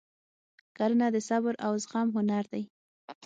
کرنه د صبر او زغم هنر دی.